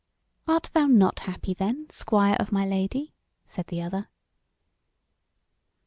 "Art thou not happy then, Squire of my Lady?" said the other.